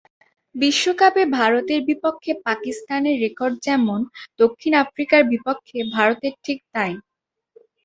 বিশ্বকাপে ভারতের বিপক্ষে পাকিস্তানের রেকর্ড যেমন, দক্ষিণ আফ্রিকার বিপক্ষে ভারতের ঠিক তা-ই।